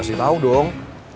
kasih tau dong